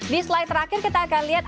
di slide terakhir kita akan lihat